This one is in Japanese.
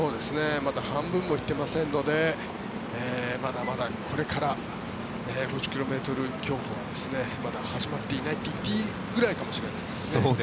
まだ半分も行ってませんのでまだまだこれから５０ｋｍ競歩はまだ始まっていないと言っていいぐらいかもしれません。